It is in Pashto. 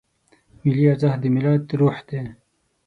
ملي ارزښت د ملت روح دی.